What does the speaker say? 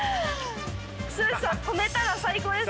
剛さん止めたら最高です。